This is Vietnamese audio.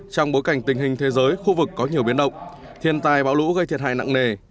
trong bối cảnh tình hình thế giới khu vực có nhiều biến động thiên tài bão lũ gây thiệt hại nặng nề